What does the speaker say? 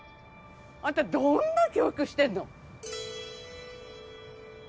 あんたどんな教育してんの！？